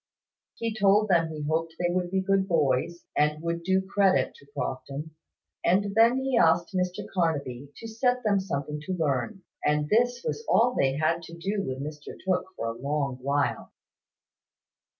He told them he hoped they would be good boys, and would do credit to Crofton; and then he asked Mr Carnaby to set them something to learn. And this was all they had to do with Mr Tooke for a long while.